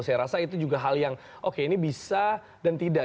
saya rasa itu juga hal yang oke ini bisa dan tidak